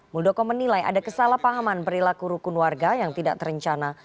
muldoko menilai ada kesalahpahaman perilaku rukun warga yang tidak terencana